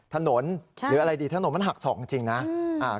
ถนนหรืออะไรดีถนนมันหักสองจริงนะ